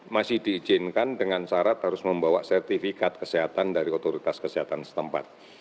masih diizinkan dengan syarat harus membawa sertifikat kesehatan dari otoritas kesehatan setempat